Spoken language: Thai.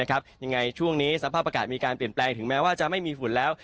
ยังไงช่วงนี้สภาพอากาศมีการเปลี่ยนแปลงถึงแม้ว่าจะไม่มีฝุ่นแล้ว